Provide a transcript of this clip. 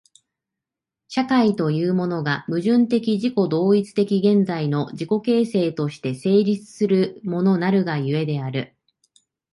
社会というものが、矛盾的自己同一的現在の自己形成として成立するものなるが故である。